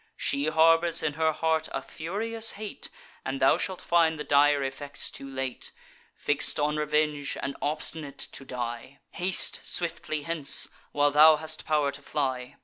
She harbours in her heart a furious hate, And thou shalt find the dire effects too late; Fix'd on revenge, and obstinate to die. Haste swiftly hence, while thou hast pow'r to fly.